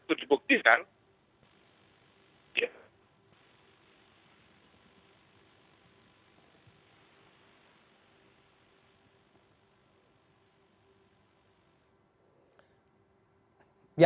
untuk dibuktikan ya